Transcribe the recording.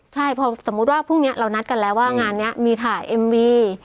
ใช่พอสมมุติว่าพรุ่งนี้เรานัดกันแล้วว่างานนี้มีถ่ายเอ็มวี